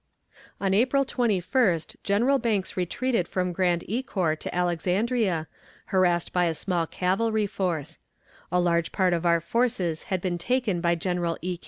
On April 21st General Banks retreated from Grand Ecore to Alexandria, harassed by a small cavalry force. A large part of our forces had been taken by General E.